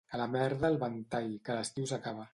A la merda el ventall, que l'estiu s'acaba.